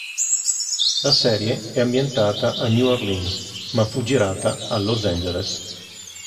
La serie è ambientata a New Orleans ma fu girata a Los Angeles.